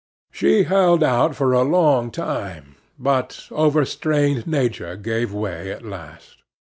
She held out for a long time, but overstrained Nature gave way at last.